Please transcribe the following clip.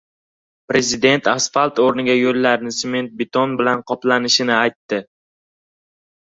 Prezident asfalt o‘rniga yo‘llarni sement-beton bilan qoplanishini aytdi